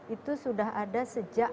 itu sudah ada sejak